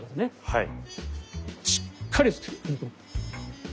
はい。